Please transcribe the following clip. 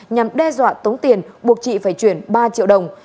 nhằm đe dọa tống tiền buộc chị phải chuyển ba triệu đồng